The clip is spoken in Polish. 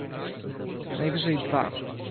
Najwyżej dwa.